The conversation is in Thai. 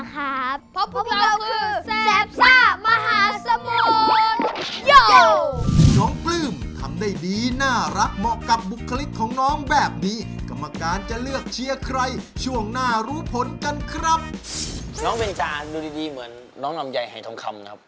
ขอเชิญเด็กซ่าทั้งสองทีมขึ้นสู่บนเวทีครับ